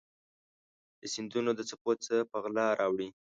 د سیندونو د څپو څه په غلا راوړي